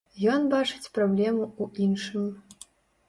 Ён бачыць праблему ў іншым.